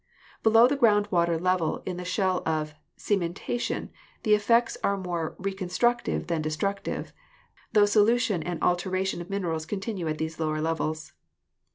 Below the ground water level in the shell of cementation the effects are more reconstructive than destructive, tho solution and alteration of minerals continue at these lower levels.